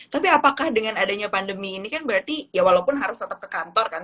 tapi apakah dengan adanya pandemi ini kan berarti ya walaupun harus tetap ke kantor kan